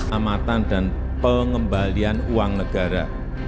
amatan dan pengembalian uang negara